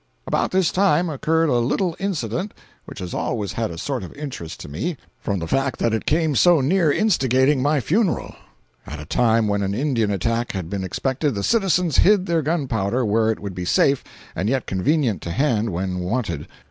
About this time occurred a little incident which has always had a sort of interest to me, from the fact that it came so near "instigating" my funeral. At a time when an Indian attack had been expected, the citizens hid their gunpowder where it would be safe and yet convenient to hand when wanted.